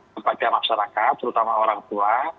kepada masyarakat terutama orang tua